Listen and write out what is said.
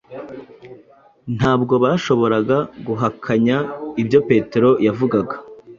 Ntabwo bashoboraga guhakanya ibyo Petero yavugaga